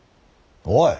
おい。